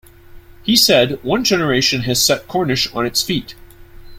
He said, One generation has set Cornish on its feet.